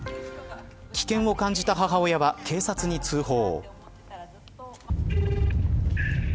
危険を感じた母親は警察に通報。